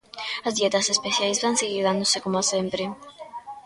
As dietas especiais van seguir dándose coma sempre.